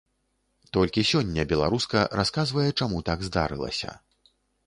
Толькі сёння беларуска расказвае, чаму так здарылася.